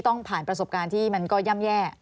ต้องผ่านประสบการณ์ที่มันก็ย่ำแย่